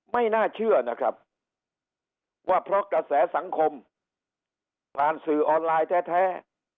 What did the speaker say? ไม่น่าเชื่อนะครับว่าเพราะกระแสสังคมผ่านสื่อออนไลน์แท้